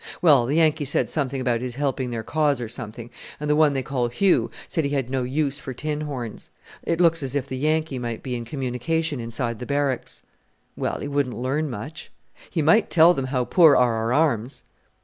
Well, the Yankee said something about his helping their cause or something; and the one they call Hugh said he had no use for tin horns. It looks as if the Yankee might be in communication inside the Barracks." "Well, he wouldn't learn much." "He might tell them how poor are our arms."